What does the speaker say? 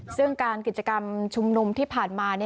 ซึ่งการกิจกรรมชุมนุมที่ผ่านมา